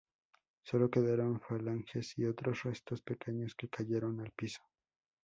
Solo quedaron falanges y otros restos pequeños, que cayeron al piso.